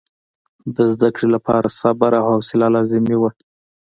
د زده کړې لپاره صبر او حوصله لازمي وه.